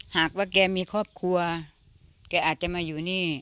หากว่าแกมีครอบครัวแกอาจจะมาอยู่นี่